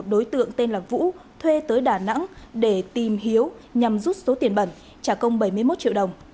đối tượng tên là vũ thuê tới đà nẵng để tìm hiếu nhằm rút số tiền bẩn trả công bảy mươi một triệu đồng